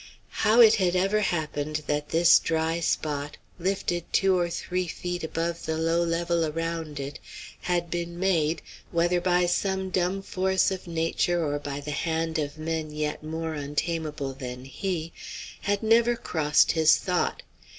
How it had ever happened that this dry spot, lifted two or three feet above the low level around it, had been made, whether by some dumb force of nature or by the hand of men yet more untamable than he, had never crossed his thought.